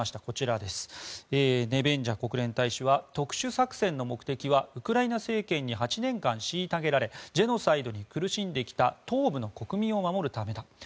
こちら、ネベンジャ国連大使は特殊作戦の目的はウクライナ政権に８年間虐げられジェノサイドに苦しんできた東部の国民を守るためだ。